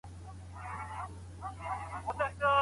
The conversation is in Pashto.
لابراتوارونه څنګه کیفیت ساتي؟